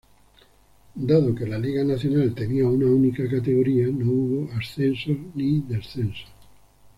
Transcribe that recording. Dado que la Liga Nacional tenía una única categoría, no hubo ascensos ni descensos.